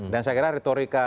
dan saya kira retorika